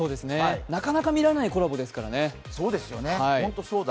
なかなか見られないコラボですからね。